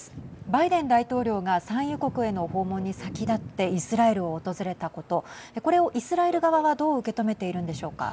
バイデン大統領が産油国への訪問に先立ってイスラエルを訪れたことこれをイスラエル側はどう受け止めているんでしょうか。